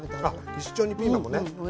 一緒にピーマンもね。